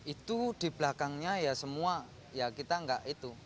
itu di belakangnya ya semua ya kita enggak itu